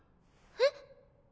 えっ？